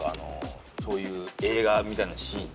そういう映画みたいなシーンで。